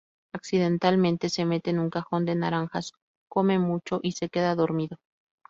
Accidentalmente se mete en un cajón de naranjas, come mucho y se queda dormido.